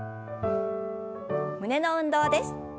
胸の運動です。